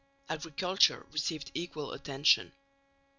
Agriculture received equal attention.